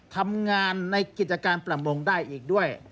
ทำงานในกิจการประมงได้อีกด้วย